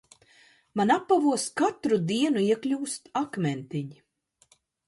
Man apavos katru dienu iekļūst akmentiņi.